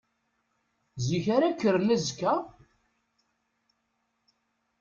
Zik ara kkren azekka?